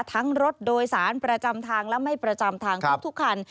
รถโดยสารประจำทางและไม่ประจำทางทุกคัน